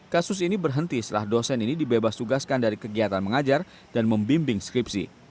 kasus ini berhenti setelah dosen ini dibebas tugaskan dari kegiatan mengajar dan membimbing skripsi